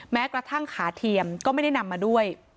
แม้กระทั่งขาเทียมก็ไม่ได้นำมาด้วย